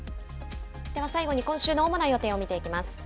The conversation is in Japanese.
では最後に、今週の主な予定を見ていきます。